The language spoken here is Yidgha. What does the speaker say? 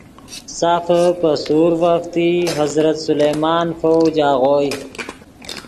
سافے پے سورڤف تئی حضرت سلیمان فوج آغوئے